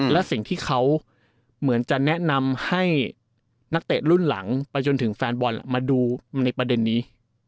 และสิ่งที่เขาเหมือนจะแนะนำให้นักเตะรุ่นหลังไปจนถึงแฟนบอลมาดูในประเด็นนี้